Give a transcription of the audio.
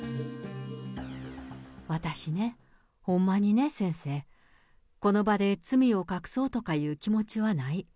私ね、ほんまにね、先生、この場で罪を隠そうとかいう気持ちはない。